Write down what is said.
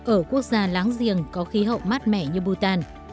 ở quốc gia láng giềng có khí hậu mát mẻ như bhutan